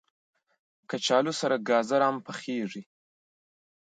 کچالو سره ګازر هم پخېږي